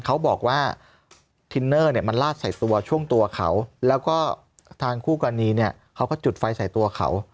เขาบอกว่าทินเนอร์เนี่ยมันลาดใส่ตัวช่วงตัวเขาแล้วก็ทางคู่กรณีเนี่ยเขาก็จุดไฟใส่ตัวเขา